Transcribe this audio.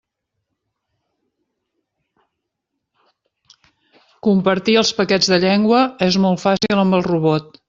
Compartir els paquets de llengua és molt fàcil amb el robot.